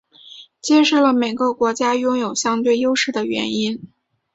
揭示了每个国家拥有相对优势的原因。